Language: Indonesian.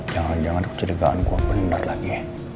jangan jangan kecerdekaan gue bener lagi